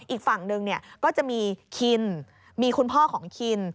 อีกฝั่งหนึ่งก็จะมีคินมีคุณพ่อของคิน